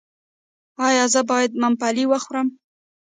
ایا زه باید ممپلی وخورم؟